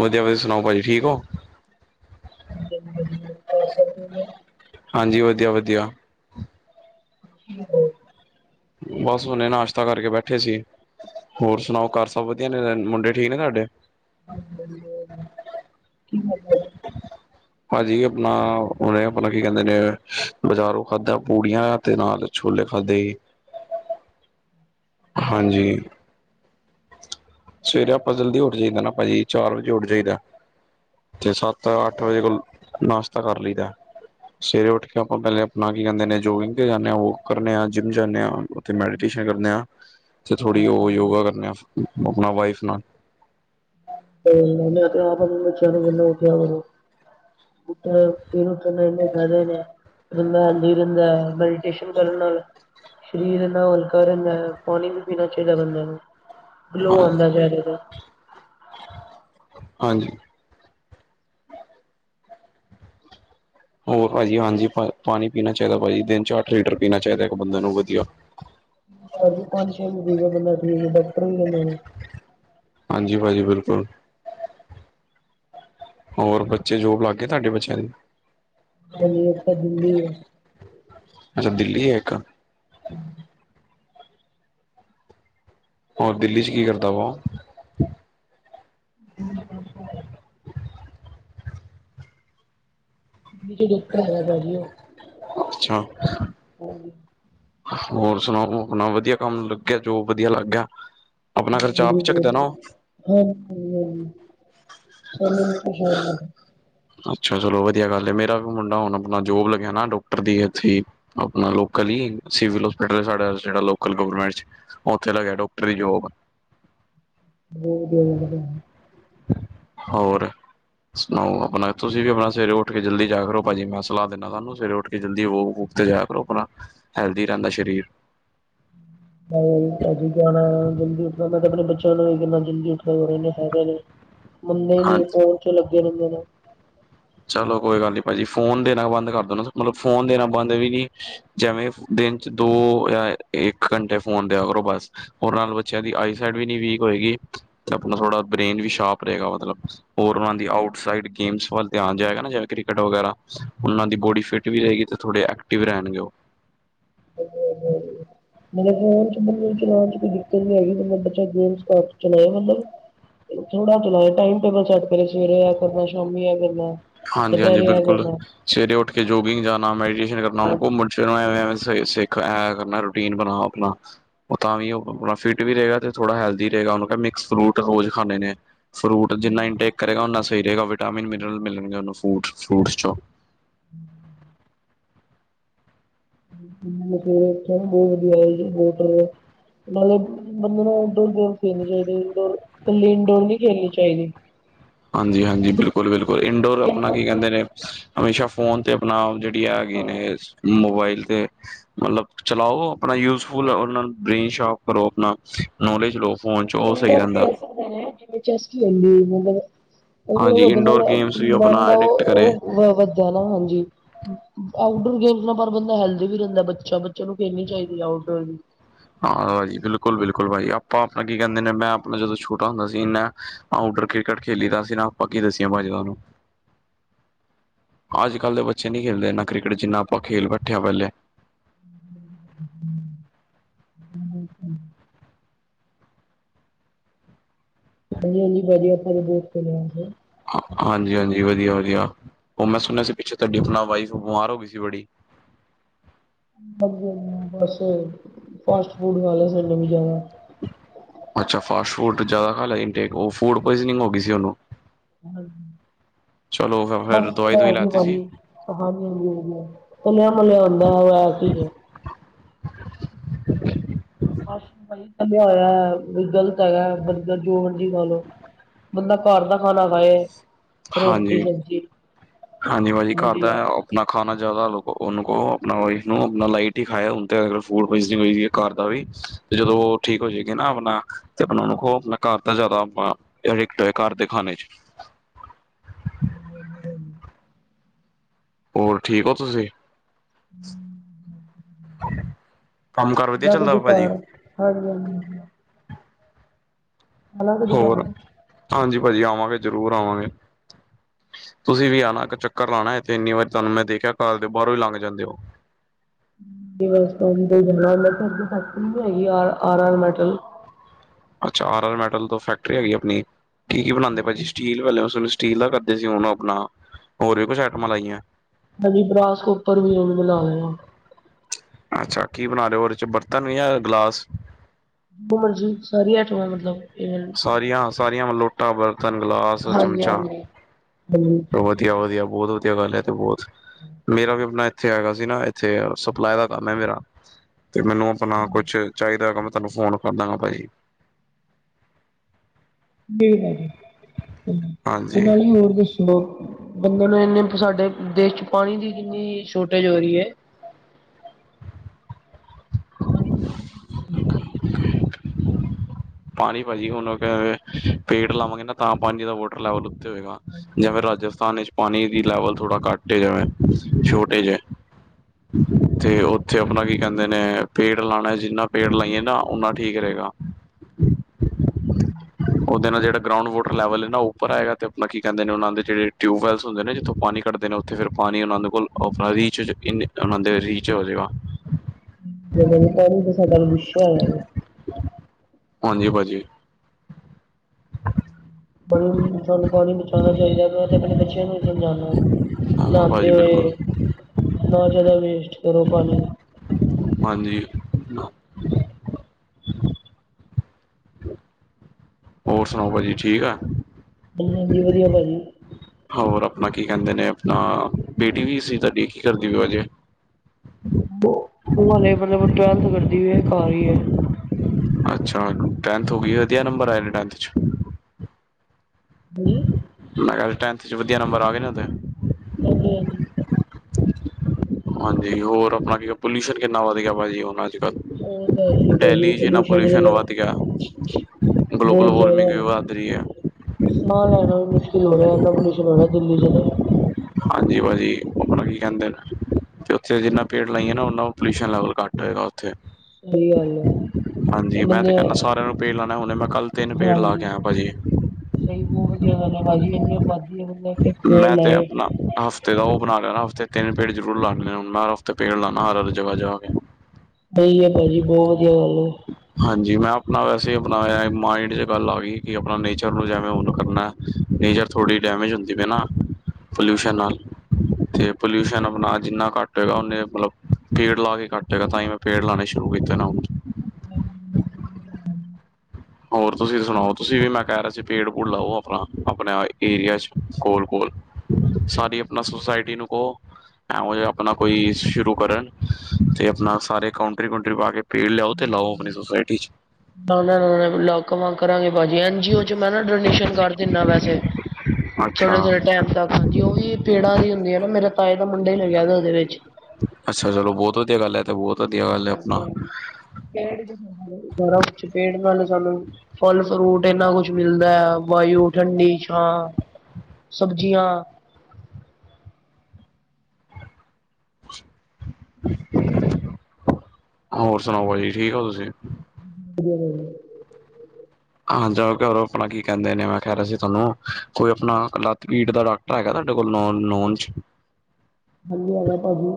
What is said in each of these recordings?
ਵਧੀਆ ਵਧੀਆ ਸੁਣਾਓ ਭਾਜੀ ਠੀਕ ਹੋ? ਵਧੀਆ ਸਭ ਠੀਕ ਹੈ। ਹਾਂਜੀ, ਵਧੀਆ ਵਧੀਆ। ਬਸ ਹੂਨੇ ਨਾਸ਼ਤਾ ਕਰਕੇ ਬੈਠੇ ਸੀ। ਹੋਰ ਸੁਣਾਓ, ਘਰ ਸਭ ਵਧੀਆ ਨੇ ਰੈਣ ਮੁੰਡੇ ਠੀਕ ਨੇ ਤਾਡੇ? ਕੀ ਕਰਦੇ ਭਾਜੀ ਅਪਣਾ ਹੁਣੇ ਅਪਣਾ ਕੀ ਕਹਿੰਦੇ ਨੇ ਬਜ਼ਾਰੋਂ ਖਾਧਾ ਪੂੜੀਆਂ ਤੇ ਨਾਲ ਛੋਲੇ ਖਾਦੇ ਹੀ। ਹਾਂਜੀ। ਸਵੇਰ ਆਪਾ ਜਲਦੀ ਉੱਠ ਜਾਈਦੈ ਨਾ ਭਾਜੀ, ਚਾਰ ਵਜੇ ਉੱਠ ਜਾਈਦੈ। ਚ ਸੱਤ ਸਵਾ ਅੱਠ ਵਜੇ ਕੋਲ ਨਾਸ਼ਤਾ ਕਰ ਲਈਦੈ। ਸਵੇਰੇ ਉੱਠ ਕੇ ਆਪਾਂ ਪੈਲੇ ਅਪਣਾ ਕੀ ਕੈੰਦੇ ਨੇ ਜੋਗਿੰਗ ਤੇ ਜਾਂਣੇ ਆਂ, ਵੋਕ ਕਰਨੇ ਆਂ, ਜਿੰਮ ਜਾਂਣੇ ਆਂ। ਤੇ ਮੈਡੀਟੇਸ਼ਨ ਕਰਨ ਆ ਤੇ ਥੋੜ੍ਹੀ ਉਹ ਯੋਗਾ ਕਰਨੇ ਆ ਆਪਣਾ ਵਾਈਫ ਨਾਲ। ਮ ਆਪਾਂ ਚ ਨੂੰ ਜਨਾ ਉਠਿਆ ਵ ਤੇ ਫਿਰ ਉੱਠਣ ਦਾ ਇੰਨਾ ਫਾਇਦਾ ਰਿਆ। [unintelligible] ਮੈਡੀਟੇਸ਼ਨ ਕਰਨ ਨਾਲ ਸਰੀਰ ਨਾਲ ਹਲਕਾ ਰਹਿੰਦਾ ਹੈ ਪਾਣੀ ਪਾਣੀ ਪੀਣਾ ਚਾਹੀਦਾ ਬੰਦੇ ਨੂੰ ਗਲੋ ਨਾਲ ਆਉਂਦਾ ਚਹਰੇ ਤੇ ਹਾਂਜੀ। ਹੋਰ ਭਾਜੀ ਹਾਂਜੀ ਪਾਣੀ ਪੀਣਾ ਚਾਹੀਦਾ ਭਾਜੀ ਦਿਨ ਚ ਅੱਠ ਲੀਟਰ ਪੀਣਾ ਚਾਹੀਦਾ ਇੱਕ ਬੰਦੇ ਨੂੰ ਵਧੀਆ। ਬਸ ਵੀ ਪੰਜ ਛੇ ਲੀਟਰ ਬੰਦਾ ਠੀਕ ਡਾਕਟਰ ਵੀ ਕਹਦੇ ਨੇ। ਹਾਂਜੀ ਭਾਜੀ ਬਿਲਕੁਲ। ਹੋਰ ਬੱਚੇ ਜੋਬ ਲੱਗ ਗਏ ਤੁਹਾਡੇ ਬੱਚਿਆਂ ਦੇ। ਹਜੇ ਅਸੀਂ ਤਾਂ ਦਿੱਲੀ ਅੱਛਾ ਦਿੱਲੀ ਹੈ ਕ ਹੋਰ, ਦਿੱਲੀ ਚ ਕੀ ਕਰਦਾ ਵਾ? ਦਿੱਲੀ ਵਿੱਚ ਡਾਕਟਰ ਹੈ ਭਾਜੀ ਉਹ। ਅੱਛਾ। ਕੋਲਿੰਗ। ਹੋਰ ਸੁਣਾਓ ਅਪਣਾ, ਵਧੀਆ ਕੰਮ ਲੱਗੇਆ ਜੋਬ ਵਧੀਆ ਲੱਗ ਗਿਆ? ਆਪਣਾ ਖਰਚਾ ਆਪ ਚੱਕਦਾ ਨਾ ਉਹ [unintelligible] ਅੱਛਾ, ਚਲੋ ਵਧੀਆ ਗੱਲ ਏ। ਮੇਰਾ ਵੀ ਮੁੰਡਾ ਹੁਣ ਅਪਣਾ ਜੋਬ ਲੱਗਿਆ ਨਾ ਡੋਕਟਰ ਦੀ ਐਥੇ ਈ। ਅਪਣਾ ਲੋਕਲ ਹੀ ਸਿਵਲ ਹੋਸਪਿਟਲ ਹੈ ਸਾਡਾ ਜੇੜਾ ਲੋਕਲ ਗੌਵਰਮਾ ਏਚ। ਔਥੇ ਲਗਿਐ ਡੋਕਟਰੀ ਜੋਬ। ਬੋਹਤ ਵਧੀਆ ਲਗਦੈ। ਹੋਰ ਸੁਣਾਓ ਅਪਣਾ? ਤੁਸੀਂ ਵੀ ਅਪਣਾ ਸਵੇਰੇ ਓਠ ਕੇ ਜਲਦੀ ਜਾਯਾ ਕਰੋ ਭਾਜੀ, ਮੈਂ ਸਲਾਹ ਦਿੰਣਾ ਤੁਹਾਨੂੰ ਸਵੇਰੇ ਓਠ ਕੇ ਜਲਦੀ ਵੋਕ-ਵੂਕ ਤੇ ਜਾਯਾ ਕਰੋ ਅਪਨਾ, ਹੈਲਦੀ ਰੈੰਦਾ ਸ਼ਰੀਰ। [unintelligible] ਮੈ ਤੇ ਭਾਜੀ ਜਾਨੈ ਜਲਦੀ ਉੱਠਨਾ ਮੈਂ ਤੇ ਆਪਨੇ ਬੱਚੇਆਂ ਨੂੰ ਵੀ ਕੈੰਨਾ ਜਲਦੀ ਉੱਠੇਯਾ ਕਰੋ ਇੰਨੇ ਫੈਦੇ ਨੇ। ਮਨਦੇ ਈ ਨੀ ਓ ਹਾਂਜੀ ਫੋਨ ਚ ਲੱਗੇ ਰੈੰਦੇ ਨੇ। ਚਲੋ ਕੋਈ ਗੱਲ ਨੀ ਭਾਜੀ, ਫੋਨ ਦੇਨਾ ਬਾੰਦ ਕਰ ਦੇਨਾ ਮਤਲਬ ਫੋਨ ਦੇਨਾ ਬੰਦ ਵੀ ਨੀ ਜੈਵੇਂ ਫ ਦਿਨ ਚ ਦੋ ਯਾ, ਏਕ ਘੰਟੇ ਫੋਨ ਦੇਆ ਕਰੋ ਬਾਸ। ਹੋਰ ਨਾਲ ਬੱਚੇਆਂ ਦੀ ਆਈਸਾਈਡ ਵੀ ਨੀ ਵੀਕ ਹੋਏਗੀ ਤੇ ਅਪਨਾ ਥੋੜਾ ਬ੍ਰੇਨ ਵੀ ਸ਼ਾਰਪ ਰੇਗਾ ਮਤਲਬ, ਹੋਰ ਓਨਾਂ ਦੀ ਆਊਟਸਾਈਡ ਗੇਮਸ ਵੱਲ ਧੇਆਨ ਜਾਏਗਾ ਨਾ ਜੈਵੇਂ ਕ੍ਰਿਕਟ ਵਗੈਰਾ, ਓਨਾਂ ਦੀ ਬੋਡੀ ਫਿਟ ਵੀ ਰਏਗੀ ਤੇ ਥੋੜੇ ਐਕਟਿਵ ਰੈਨਗੇ ਓ। [unintelligible] ਮੇਰੇ ਫੋਨ ਚ ਮੈਨੂੰ ਚਲਾਨ ਚ ਕੋਈ ਦਿੱਕਤ ਨੀ ਹੈਗੀ ਮਤਲਬ ਬੱਚਾ ਗੇਮ ਚਲਾਏ ਅੰਦਰ। ਥੋੜਾ ਚਲਾਏ, ਟਾਈਮ ਟੇਬਲ ਸੈਟ ਕਰੇ ਸਵੇਰੇ ਐ ਕਰਨੈ, ਸ਼ਾਮੀ ਐ ਕਰਨੈ। ਹਾਂਜੀ ਹਾਂਜੀ, ਬਿਲਕੁਲ। ਸਵੇਰੇ ਉੱਠ ਕੇ ਜੋਗਿੰਗ ਜਾਨਾ, ਮੈਡੀਟੇਸ਼ਨ ਕਰਨਾ, ਮੁ ਘੁਮਨ ਫੀਰਨ ਆਏ ਹੋਏ ਆ ਸਿੱਖ ਐ ਕਰਨਾ, ਰੂ ਟੀਨ ਬਨਾ ਅਪਨਾ। ਓ ਤਾਂ ਵੀ ਓ ਅਪਣਾ ਫਿੱਟ ਵੀ ਰੇਗਾ ਤੇ ਥੋੜਾ ਹੈਲਦੀ ਰਏਗਾ, ਓਨੂ ਕੈ ਮਿਕਸ ਫ੍ਰੂਟ ਰੋਜ ਖਾਨੇ ਨੇ। ਫ੍ਰੂਟ ਜਿੰਨਾ ਇਨਟੇਕ ਕਰੇਗਾ ਓਨਾ ਸਈ ਰੇਗਾ ਵਿਟਾਮਿਨ ਮਿਨਰਲ ਮਿਲਨਗੇ ਓਨੂ ਫੂਟ, ਫ੍ਰੂਟਸ ਚੋਂ। [unintelligible] [inaudible] ਨਾਲੇ਼ [unintelligible] ਗੇਮਸ ਇਨਡੋਰ। ਏਨੀ ਇਨਡੋਰ ਨੀ ਖੇਲਨੀ ਚਾਈਦੀ। ਹਾਂਜੀ-ਹਾਂਜੀ, ਬਿਲਕੁਲ-ਬਿਲਕੁਲ, ਇੰਡੋਰ ਅਪਣਾ ਕੀ ਕੈਂਦੇ ਨੇ ਹਮੇਸ਼ਾ ਫੋਨ ਤੇ ਆਪਣਾ ਜੇ [unintelligible] ਮੋਬਾਈਲ ਤੇ ਮਤਲਬ ਚਲਾਓ ਅਪਣਾ ਯੂਜ਼ਫੁਲ ਓਦ ਨਾਲ, ਬ੍ਰੇਨ ਸੋ਼ਰਪ ਕਰੋ ਆਪਨਾ ਨੌਲੇਜ ਲਓ। ਫੋਨ ਚ ਉਹ ਸਹੀ ਇੰਡੋਰ ਰਹਿੰਦਾ ਖੇਲ ਸਕਦੇ ਨੇ, ਜਿਵੇਂ ਚੇਸ ਕੀ ਹੂੰਦੀ ਏ ਮਤਲਬ ਹਾਂਜੀ ਓਦੇ ਨਾਲ ਇਨਡੋਰ ਮਲਬ ਗੇਮਸ ਵੀ ਮਨ ਆਪਣਾ ਦਾ ਅਡਿਕਟ ਓ, ਕਰੇ ਓ ਵਦ ਏ ਨਾ ਹਾਂਜੀ। ਆਊਟਡੋਰ ਗੇਮਸ ਨਾਲ ਪਰ ਬੰਦਾ ਹੈਲਦੀ ਵੀ ਰੈਂਦਾ ਬੱਚਾ, ਬੱਚੇਆਂ ਨੂੰ ਖੇਲਨੀ ਚਾਈਦੀ ਐ ਆਊਟਡੋਰ ਵੀ ਹਾਜੀ, ਬਿਲਕੁਲ-ਬਿਲਕੁਲ ਭਾਜੀ ਅਪਾਂ ਅਪਨਾ ਕੀ ਕੈੰਦ ਮੇਨੇ ਮੈਂ ਆਪਨਾ ਜਦੋਂ ਛੋਟਾ ਹੁੰਦਾ ਸੀ ਨਾ ਆਊਟਡਰ ਕ੍ਰਿਕਟ ਖੇਲੀ ਦਾ ਸੀ ਨਾ ਅਪਾਂ ਕੀ ਦੱਸੀਏ ਭਾਜੀ ਤੁਆਨੂੰ। ਆੱਜ-ਕਾੱਲ ਦੇ ਬੱਚੇ ਨਈ ਖੇਲਦੇ ਏਨਾਂ ਕ੍ਰਿਕਟ, ਜਿੰਨਾ ਆਪਾਂ ਖੇਲ ਬੈਠੇ ਆ ਪੈਲੇ। [inaudible] [unintelligible] ਬਦੀਆ ਜੀ ਬਦੀਆ, ਆੱਪਾ ਤੇ ਬੋਤ ਖੇਲੇ ਆ ਵੈਸੇ। ਹਾਂ, ਹਾਂਜੀ-ਹਾਂਜੀ ਵਦੀਆ-ਵਧੀਆ, ਓ ਮੈਂ ਸੁਨੇਆ ਸੀ ਪਿੱਛੇ ਤੁਆਡੀ ਅਪਨਾ ਵਾਈਫ ਬਿਮਾਰ ਹੋ ਗੀ ਸੀ ਬੜੀ। [unintelligible] ਬੱਸ ਫਾਸਟ-ਫੂਡ ਖਾਲੇ ਸੀ ਓਨੇ ਵੀ ਜਾਦਾ। ਅੱਛਾ, ਫਾਸਟ-ਫੂਡ ਜਾਦਾ ਖਾਲੇਆ ਸੀ ਇੰਟੇਕ ਓ ਫੂੜ-ਪੋਈਜਨੀਂਗ ਹੋਗੀ ਸੀ ਓਨੂੰ? ਫਿਰ ਦਵਾਈ ਦਵਾਈ [unintelligible] ਲਾਤੀ ਭਾਜੀ। ਸੀ ਓ ਹਾਂਜੀ-ਹਾਂਜੀ, ਵਦੀਆ ਤਲੇਆ-ਮੱਲੇਆ ਹੁੰਦੈ ਫੇਰ ਤਲੇਆ ਹੋਏਆ,, ਗਲਤ ਹੈਗਾ ਬਰ ਬਰਗਰ ਜੋ ਮਰਜੀ ਲੈਲੋ। ਬੰਦਾ ਘਾਰ ਦਾ ਖਾਨਾ ਖਾਏ, ਰੋਟੀ ਹਾਂਜੀ ਸਬਜੀ। ਹਾਂਜੀ, ਭਾਜੀ ਘਾਰ ਦਾ। ਅਪਨਾ ਖਾਨਾ ਜਾਦਾ ਆ, ਓਨੂ ਕੋ ਆਪਨਾ ਵਾਈਫ ਨੂੰ ਆਪਣਾ ਲਾਈਟ ਈ ਖਾਏ ਹੁਨ ਤੇ ਅ ਫੂੜ ਪੋਏਜਨੀਂਗ ਹੋਈ ਵੀ ਏ। ਘਾਰ ਦਾ ਵੀ ਤੇ ਜਦੋਂ ਓ ਠੀਕ ਹੋ ਜੇਗੀ ਨਾ ਆਪਨਾ, ਤੇ ਅਪਨਾ ਓਨੂੰ ਕੋ ਆਪਨਾ ਓਨੂ ਕਓ ਘਾਰ ਦਾ ਜਾਦਾ ਆਪ ਤੇ ਐਡੀਕਟ ਹੋਏ ਘਾਰ ਦੇ ਖਾਨੇ ਚ। [unintelligible] ਹੋਰ ਠੀਕ ਓ ਤੁਸੀ? [unintelligible] ਅਲੱਗ ਦੀ ਹੋਰ, ਕਾਰ ਹਾਂਜੀ ਭਾਜੀ ਆਵਾਂਗੇ ਜ਼ਰੂਰ ਆਵਾਂਗੇ। ਤੁਸੀ ਵੀ ਆਨਾ ਏਕ ਚੱਕਰ ਲਾਣਾ ਐਥੇ, ਇੰਨੀ ਵਾਰੀ ਤੁਆਨੂੰ ਮੈਂ ਦੇਖੇਆ ਘਾਰ ਦੇ ਬਾਰੋਂ ਈ ਲਾੰਗ ਜਾਂਦੇ ਓ। [unintelligible] ਫੈਕਟਰੀ ਵੀ ਹੈਗੀ ਆ ਆਰ-ਆਰ ਮੈਟਲ? ਅੱਛਾ ਆਰ ਆਰ ਮੈਟਲ ਤੋਂ ਫੈਕਟਰੀ ਹੈਗੀ ਆਪਣੀ, ਕੀ- ਕੀ ਬਣਾਉਂਦੇ ਭਾਜੀ ਸਟੀਲ ਵ ਸਟੀਲ ਦਾ ਕਰਦੇ ਸੀ ਉਹ ਆਪਣਾ, ਹੋਰ ਵੀ ਕੁਛ ਆਈਟਮਾਂ ਲਾਈਆਂ ਹਜੇ ਬਰਾਸਕ ਉੱਪਰ ਵੀ ਉਹਨੂੰ ਬਣਾ ਲਿਆ ਅੱਛਾ ਕੀ ਬਣਾ ਲਿਓ ਉਹਦੇ 'ਚ ਬਰਤਨ ਜਾਂ ਗਲਾਸ ਮਣ ਜੀ ਸਾਰੀ ਆਈਟਮਾਂ ਆ ਮਤਲਬ ਈਵਨ ਸਾਰੀਆਂ, ਸਾਰੀਆਂ ਵ ਲੋਟਾਂ, ਬਰਤਨ, ਗਲਾਸ, ਹਾਂਜੀ ਚਮਚਾ ਹਾਂਜੀ ਹਾਂਜੀ ਵਧੀਆ ਵਧੀਆ, ਵਧੀਆ ਬਹੁਤ ਵਧੀਆ ਗੱਲ ਤੇ ਬਹੁਤ, ਮੇਰਾ ਵੀ ਆਪਣਾ ਇੱਥੇ ਹੈਗਾ ਸੀ ਨਾ ਇੱਥੇ ਸਪਲਾਈ ਦਾ ਕੰਮ ਹੈ ਮੇਰਾ, ਤੇ ਮੈਨੂੰ ਆਪਣਾ ਕੁਛ ਚਾਹੀਦਾ ਹੈਗਾ ਮੈਂ ਤੁਹਾਨੂੰ ਫੋਨ ਕਰ ਦਵਾਂਗਾ ਭਾਜੀ ਨਹੀ ਭਾਜੀ, ਤੇ ਹਾਂਜੀ ਨਾਲੇ ਹੋਰ ਦੱਸੋ ਬ ਬੰਦੇ ਨੂੰ ਇੰਨੇ ਸਾਡੇ ਦੇਸ਼ 'ਚ ਪਾਣੀ ਦੀ ਕਿੰਨੀ ਸ਼ੋਰਟੇਜ ਹੋ ਰਹੀ ਹੈ ਬ [unintelligible] ਹ [inaudible] ਪਾਣੀ ਭਾਜੀ ਹੁਣ, ਪੇੜ ਲਾਵਾਂਗੇ ਨਾ ਤਾਂ ਪਾਣੀ ਦਾ ਵੋਟ ਲੈਵਲ ਉੱਤੇ ਹੋਏਗਾ, ਜਿਵੇਂ ਰਾਜਸਥਾਨ ਵਿੱਚ ਪਾਣੀ ਦੀ ਲੈਵਲ ਥੋੜਾ ਘੱਟ ਛਟ ਜਾਵੇ ਛੋਟੇ ਜਿਹੇ। ਤੇ ਉੱਥੇ ਆਪਣਾ ਕੀ ਕਹਿੰਦੇ ਨੇ ਪੇੜ ਲਾਉਣਾ ਜਿੰਨਾ ਪੇੜ ਲਾਈਏ ਨਾ ਓਨਾ ਠੀਕ ਰਹੇਗਾ। [inaudible] ਉਹਦੇ ਨਾਲ ਜਿਹੜਾ ਗਰਾਊਂਡ ਵਾਟਰ ਲੈਵਲ ਨਾ ਉਪਰ ਹੈਗਾ ਅਤੇ ਆਪ ਕੀ ਕਹਿੰਦੇ ਨੇ ਉਹਨਾਂ ਜਿਹੜੇ ਟਿਊਬਵੈਲ ਹੁੰਦੇ ਜਿੱਥੋਂ ਪਾਣੀ ਕੱਢਦੇ ਨੇ। ਤੇ ਫਿਰ ਪਾਣੀ ਉਹਨਾਂ ਦੇ ਕੋਲ ਆਪਣਾ ਰੀਚ, ਉਹਨਾਂ ਦੇ ਰੀਚ ਹੋ ਜਾਵੇਗਾ। ਜਦ ਪਾਣੀ ਸਾਡਾ ਰੁਸਿਆ ਹੈਗਾ ਜੇ। ਹਾਂਜੀ ਭਾਜੀ। ਬਈ ਸਾਨੂੰ ਪਾਣੀ ਬਚਾਉਣਾ ਚਾਹੀਦਾ ਤੇ ਆਪਣੇ ਬੱਚਿਆਂ ਨੂੰ ਵੀ ਸਮਝਾਉਣਾ। ਹਾਂ ਨਹਾਾਂਉਂਦੇ ਭਾਜੀ ਬਿਲਕੁਲ ਹੋਏ, ਨਾ ਜ਼ਿਆਦਾ ਵੇਸਟ ਕਰੋ ਪਾਣੀ। ਹਾਂਜੀ। [inaudible] ਹੋਰ ਸੁਣਾਓ ਭਾਜੀ, ਠੀਕ ਆ ਹਾਂਜੀ- ਹਾਂਜੀ, ਵਧੀਆ ਭਾਜੀ ਹੋਰ ਆਪਣਾ ਕੀ ਕਹਿੰਦੇ ਨੇ ਆਪਣਾ ਬੇਟੀ ਵੀ ਸੀ ਤੁਹਾਡੀ, ਕੀ ਕਰਦੀ ਉਹ ਅਜੇ ਉਹੇ ਮਤਲਬ ਟੈਵਲਥ ਕਰਦੀ ਹੈ, ਖਾ ਰਹੀ ਹੈ ਅੱਛਾ ਟੈੰਥ ਹੋ ਗਈ ਏ ਵਧੀਆ ਨੰਬਰ ਆਏ ਨੇ ਟੈਂਥ 'ਚ ਹਾਂਜੀ ਮੈਂ ਕਿਹਾ ਟੈਂਨਥ 'ਚ ਵਧੀਆ ਨੰਬਰ ਆ ਗਏ ਨਾ ਉਹਦੇ ਹਾਂਜੀ-ਹਾਂਜੀ ਹਾਂਜੀ ਹੋਰ ਆਪਣਾ ਕੀ ਪੋਲਿਊਸ਼ਨ ਕਿੰਨਾ ਵੱਧ ਗਿਆ ਭਾਜੀ ਉਹ ਉਹ ਤਾਂ ਹੈ ਹੀ ਹੈ ਭਾਜੀ ਡੇਲੀ ਜੀ ਇੰਨਾ ਪੋਲਿਊਸ਼ਨ ਦੇ ਵੱਧ ਗਿਆ ਗਲੋਬਲ ਬਹੁਤ ਜ਼ਿਆਦਾ ਵਾਰਮਿੰਗ ਵੀ ਹੈ ਵੱਧ ਰਹੀ ਹੈ ਸਾਹ ਲੈਣਾ ਵੀ ਮੁਸ਼ਕਿਲ ਹੋ ਰਿਹਾ ਇੰਨਾ ਪੋਲਿਊਸ਼ਨ ਹੋ ਰਿਹਾ ਦਿੱਲੀ 'ਚ ਤੇ ਹਾਂਜੀ ਭਾਜੀ, ਉਹ ਆਪਣਾ ਕੀ ਕਹਿੰਦੇ ਨੇ ਤੇ ਉੱਥੇ ਜਿੰਨਾ ਪੇੜ ਲਾਈਏ ਨਾ, ਉਹਨਾ ਪੋਲਿਊਸ਼ਨ ਲੈਵਲ ਘੱਟ ਹੋਏਗਾ ਉੱਥੇ। ਸਹੀ ਗੱਲ ਹੈ ਹਾਂਜੀ ਮੈਂ ਤੇ ਬੰਦੇ ਕਹਿੰਦਾ ਸਾਰਿਆਂ ਨੂੰ ਪੇੜ ਲਾਉਣ, ਹੁਣੇ ਮੈਂ ਕੱਲ੍ਹ ਤਿੰਨ ਪੇੜ ਲਾ ਹਾਂਜੀ ਕੇ ਆਇਆ ਭਾਜੀ। ਸਹੀ ਬਹੁਤ ਵਧੀਆ ਗੱਲ ਹੈ ਭਾਜੀ, ਇੰਨੀ ਆਬਾਦੀ ਬ ਪੇੜ ਲਾਏ। ਹਫਤੇ ਦਾ ਉਹ ਬਣਾ ਲੈਣਾ, ਹਫਤੇ ਤਿੰਨ ਪੇੜ ਜ਼ਰੂਰ ਲਾ ਲੈਣੇ ਹਰ ਹਫ਼ਤੇ ਪੇੜ ਲਾਉਣਾ ਹਰ ਹਰ ਜਗਾ ਜਗਾ ਤੇ। ਸਹੀ ਹੈ, ਭਾਜੀ ਬਹੁਤ ਵਧੀਆ ਗੱਲ ਹੈ। ਹਾਂਜੀ ਮੈਂ ਆਪਣਾ ਵੈਸੇ ਆਪਣਾਇਆ ਮਾਇੰਡ 'ਚ ਗੱਲ ਆ ਗਈ ਕਿ ਆਪਣਾ ਨੇਚਰ ਨੂੰ ਜਿਵੇਂ ਹੁਣ ਕਰਨਾ। ਨੇਚਰ ਥੋੜ੍ਹੀ ਡੈਮੇਜ ਹੁੰਦੀ ਪਈ ਨਾ ਪੋਲਿਊਸ਼ਨ ਨਾਲ। ਤੇ ਪੋਲਿਊਸ਼ਨ ਆਪਣਾ ਜਿੰਨਾ ਘੱਟ ਹੋਏਗਾ, ਉਹਨੇ ਮਤਲਬ। ਪੇੜ ਲਾ ਕੇ ਘੱਟੇਗਾ ਤਾਂ ਹੀ ਮੈਂ ਪੇੜ ਲਾਉਣੇ ਸ਼ੁਰੂ ਕੀਤੇ ਨਾ ਹੁਣ। ਹੋਰ ਤੁਸੀਂ ਸੁਣਾਓ ਤੁਸੀਂ ਵੀ ਮੈਂ ਕਹਿ ਰਿਹਾ ਸੀ ਪੇੜ ਪੂੜ ਲਾਓ ਆਪਣਾ, ਆਪਣੇ ਏਰੀਆ 'ਚ ਕੋਲ -ਕੋਲ। ਸਾਰੀ ਆਪਣਾ ਸੁਸਾਇਟੀ ਨੂੰ ਕਹੋ। ਐ ਜ ਆਪਣਾ ਕੋਈ ਸ਼ੁਰੂ ਕਰਨ ਤੇ ਆਪਣਾ ਸਾਰੇ ਕਾਊਂਟਰੀ ਕਂਟਰੀ ਪਾ ਕੇ। ਪੇੜ ਲਿਆਓ ਤੇ ਲਾਓ ਆਪਣੀ ਸੋਸਾਇਟੀ ਚ। ਨਾ ਨਾ ਨਾਾਂ ਕਰਾਂਗੇ ਭਾਜੀ ਐਨ ਜੀਓ ਚ ਮੈਂ ਨਾ ਡੋਨੇਸ਼ਨ ਕਰ ਦਿੰਦਾ ਵੈਸੇ। ਥੋੜੇ ਅੱਛਾ ਥੋੜੇ ਟਾਈਮ ਤੱਕ ਹਾਂਜੀ, ਉਹ ਵੀ ਪੇੜਾਂ ਦੀ ਹੁੰਦੀ ਆ ਨਾ ਮੇਰਾ ਤਾਏ ਦਾ ਮੁੰਡਾ ਹੀ ਲਗਿਆ ਉਹਦੇ ਵਿੱਚ। ਅੱਛਾ ਚਲੋ ਬਹੁਤ ਵਧੀਆ ਗੱਲ ਹੈ ਤੇ ਬਹੁਤ। ਵਧੀਆ ਗੱਲ ਹੈ ਹਾਂ ਆਪਣਾ ਪੇੜ ਗਰਮ ਚ ਪੇੜ ਨਾਲ ਸਾਨੂੰ। ਫਲ ਫਰੂਟ ਇੰਨਾ ਕੁਛ, ਮਿਲਦਾ ਹੈ ਵਯੂ ਠੰਡੀ ਛਾਂ। ਸਬਜ਼ੀਆਂ। ਹੋਰ ਸੁਣਾਓ ਭਾਜੀੀ ਠੀਕ ਹੋ ਤੁਸੀਂ। ਹ। ਹਾਂ ਜਾਂ ਆਪਣਾ ਕੀ ਕਹਿੰਦੇ ਨੇ ਮੈਂ ਕਹਿ ਰਿਹਾ ਸੀ ਤੁਹਾਨੂੰ ਕੋਈ ਆਪਣਾ ਲੱਤ ਪੀੜ ਦਾ ਡਾਕ। ਗਾ ਤੁਹਾਡੇ ਕੋਲ ਨੋਨ ਚ। ਵਧੀਆ ਹੈਗਾ ਭਾਜੀ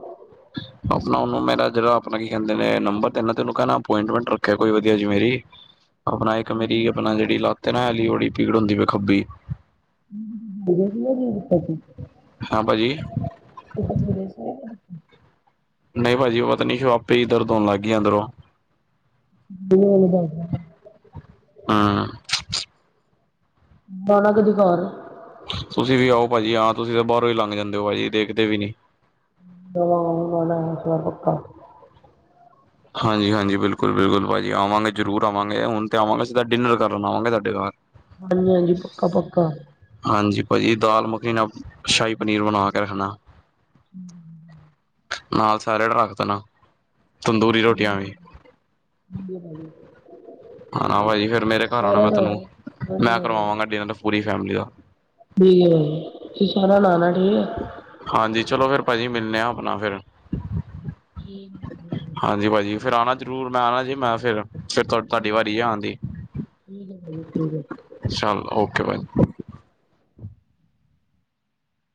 ਆਪਣਾ ਉਹਨੂੰ ਮੇਰਾ ਜਿਹੜਾ ਆਪਣਾ ਕੀ ਕਹਿੰਦੇ ਨੇ ਨੰਬਰ ਦੇਣਾ ਤੇੈਨੂ ਉਹਨੂੰ ਕਹਿਣਾ ਅਪੋਇੰਟਮੈਂਟ ਰੱਖਿਆ ਕੋਈ ਵਧੀਆ ਜੀ ਮੇਰੀ। [unintelligible] [unintelligible] ਆਪਣਾ ਇੱਕ ਮੇਰੀ ਆਪਣਾ ਜਿਹੜੀ ਲੱਤ ਨਾ ਐਲੀ ਓੜੀ ਪੀੜ ਹੁੰਦੀ ਵੇ ਖੱਬੀ। ਸੀ ਕੀ ਕੀਤਾ ਸੀ? ਹਾਂ ਭਾਅ ਜੀ। [inaudible] ਨਈ ਭਾਜੀ ਉਹ ਪਤਾ ਨੀ ਕਿਉ ਆਪੇ ਈ ਦਰਦ ਹੋਣ ਲੱਗ ਗੀ ਅੰਦਰੋ। [inaudible] ਤੂੰ ੳਹਨੂੰ ਕੈਹ। ਹਾਂ। ਆਨਾ ਕਦੋਂ ਘਾਰ ਤੁਸੀਂ ਵੀ ਆਓ ਭਾਜੀ ਹਾਂ ਤੁਸੀਂ ਤਾਂ ਬਾਹਰੋਂ ਈ ਲੰਘ ਜਾਂਦੇ ਓ ਭਾਜੀ ਦੇਖਦੇ ਵੀ ਨੀ। [unintelligible] ਜਦੋਂ ਆਉਣ ਵਾਲਾ ਪੱਕਾ ਹਾਂਜੀ-ਹਾਂਜੀ ਬਿਲਕੁਲ-ਬਿਲਕੁਲ ਭਾਅਜੀ ਆਵਾਂਗੇ ਜ਼ਰੂਰ ਆਵਾਂਗੇ ਹੁਣ ਤੇ ਆਵਾਂਗੇ ਸਿੱਧਾ ਡਿਨਰ ਕਰਨ ਆਵਾਂਗੇ ਤਾਹਡੇ ਘਰ। ਹਾਂਜੀ ਹਾਂਜੀ ਪੱਕਾ ਪੱਕਾ। ਹਾਂਜੀ ਭਾਜੀ ਦਾਲ ਮੱਖਣੀ ਨਾਲ ਸ਼ਾਹੀ ਪਨੀਰ ਬਣਾ ਕੇ ਰੱਖਣਾ। ਹਮ। [unintelligible] ਨਾਲ ਸੈਲਡ ਰੱਖ ਦੇਣਾ ਤੰਦੂਰੀ ਰੋਟੀਆਂ ਵੀ। ਹਜੀਜੀ। ਹਾ ਭਾਜੀ ਫਿਰ ਮੇਰੇ ਘਰ ਆਉਣਾ, ਮੈਂ ਤੈਨੂੰ ਹਾਂਜੀ ਮੈਂ ਕਰਵਾਵਾਂਗਾ ਡਿਨਰ ਪੂਰੀ ਫੈਮਲੀ ਦਾ। ਵੀ ਤੁਸੀ ਸਾਰਿਆ ਨੇ ਆਣਾ ਠੀਕ ਆ। ਹਾਂਜੀ ਚਲੋ ਫਿਰ ਭਾਜੀ ਮਿਲਣੇ ਆ ਆਪਣਾ ਫੇਿਰ। ਕੀ। ਹਾਂਜੀ ਭਾਅਜੀ ਫਿਰ ਆਉਣਾ ਜ਼ਰੂਰ, ਮੈਂ ਆਉਣਾ ਜੀ ਮੈਂ ਫਿਰ। ਫਿਰ ਤੁ ਤੁਹਾਡੀ ਵਾਰੀ ਆਨ ਦੀ ਠੀਕ ਹੈ ਭਾਜੀ ਠੀਕ ਹੈ ਚੱਲ ਓਕੇ ਭਾ।